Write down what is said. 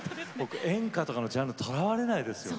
演歌とかのジャンルとらわれないですよね。